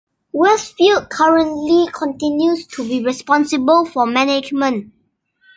Westfield currently continues to be responsible for management.